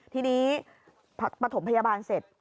ทีนี้ปฐมพยาบาลเสร็จ